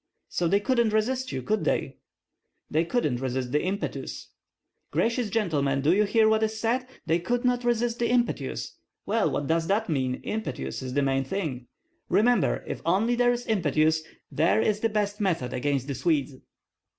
"So they couldn't resist you, could they?" "They could not resist the impetus." "Gracious gentlemen, do you hear what is said, they could not resist the impetus. Well, what does that mean? Impetus is the main thing." "Remember if only there is impetus! that is the best method against the Swedes."